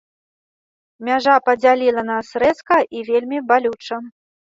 Мяжа падзяліла нас рэзка і вельмі балюча.